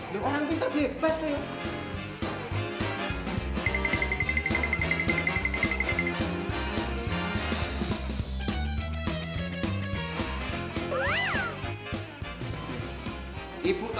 bila orang pinter bebas tuh ya